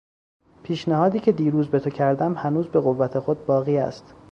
پیشنهادی که دیروز به تو کردم هنوز به قوت خود باقی است.